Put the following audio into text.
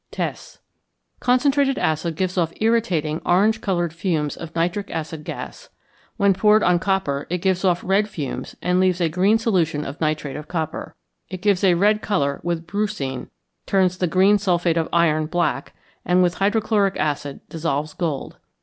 Tests. Concentrated acid gives off irritating orange coloured fumes of nitric acid gas. When poured on copper, it gives off red fumes and leaves a green solution of nitrate of copper. It gives a red colour with brucine, turns the green sulphate of iron black, and with hydrochloric acid dissolves gold.